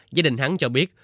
gia đình hắn cho biết